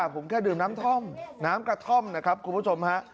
ผมแค่ดื่มน้ำท่อมน้ำกระท่อมนะครับคุณผู้ชมฮะ